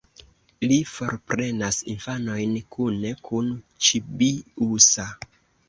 Li forprenas infanojn kune kun Ĉibi-usa.